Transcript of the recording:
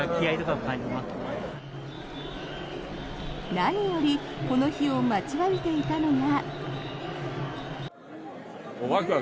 何よりこの日を待ちわびていたのが。